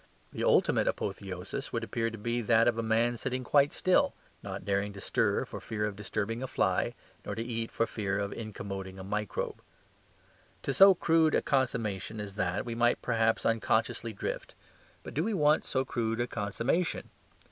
The ultimate apotheosis would appear to be that of a man sitting quite still, nor daring to stir for fear of disturbing a fly, nor to eat for fear of incommoding a microbe. To so crude a consummation as that we might perhaps unconsciously drift. But do we want so crude a consummation?